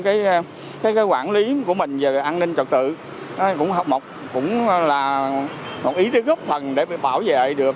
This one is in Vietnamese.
thời gian qua cái quản lý của mình về an ninh trật tự cũng là một ý góp phần để bảo vệ được